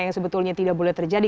yang sebetulnya tidak boleh terjadi